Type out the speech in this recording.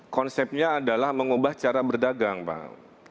konsepnya adalah mengubah cara berdagang pak